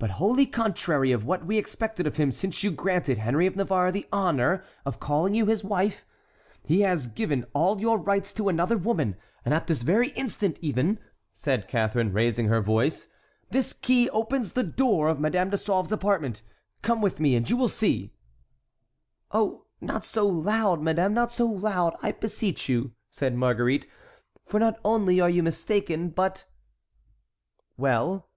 But wholly contrary of what we expected of him since you granted Henry of Navarre the honor of calling you his wife, he has given all your rights to another woman, and at this very instant even," said Catharine, raising her voice,—"this key opens the door of Madame de Sauve's apartment—come with me and you will see"— "Oh, not so loud, madame, not so loud, I beseech you!" said Marguerite, "for not only are you mistaken, but"— "Well?"